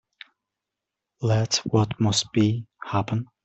Let what must be, happen.